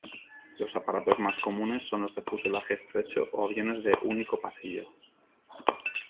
Los aparatos más comunes son los de fuselaje estrecho o aviones de único pasillo.